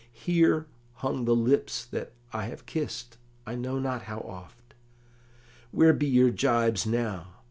Here hung the lips that I have kissed I know not how oft. Where be your jibes now?